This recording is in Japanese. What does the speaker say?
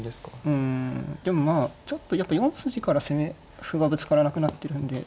うんでもまあちょっとやっぱ４筋から攻め歩がぶつからなくなってるんで。